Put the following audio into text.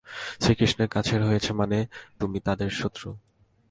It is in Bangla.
শ্রীকৃষ্ণের কাছের হয়েছো মানে, তুমি তাদের শত্রু।